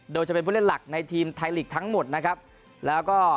โดยจะเป็นผู้เล่นหลักในทีมไทยลีกทั้งหมดนะครับแล้วก็